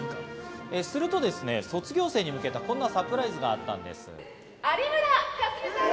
するとですね、卒業生に向けた、こんなサプライズがあったんです。